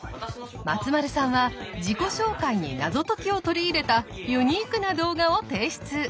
松丸さんは自己紹介に謎解きを取り入れたユニークな動画を提出。